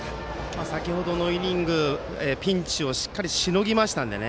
先程のイニングでピンチをしっかりしのぎましたのでね。